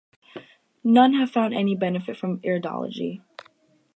None have found any benefit from iridology.